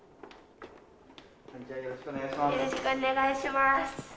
よろしくお願いします。